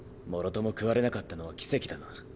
もろとも食われなかったのは奇跡だな。